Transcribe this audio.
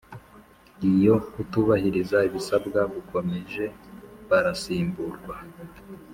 Iyo kutubahiriza ibisabwa gukomeje barasimburwa